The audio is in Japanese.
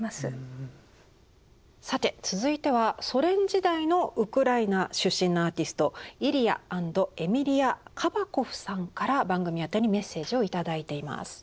さて続いてはソ連時代のウクライナ出身のアーティストイリヤ＆エミリア・カバコフさんから番組宛てにメッセージを頂いています。